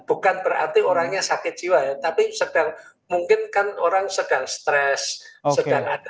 bukan berarti orangnya sakit jiwa ya tapi sedang mungkin kan orang sedang stres sedang ada